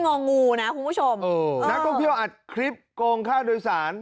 องูนะคุณผู้ชมเออนักท่องเที่ยวอัดคลิปโกงค่าโดยสาร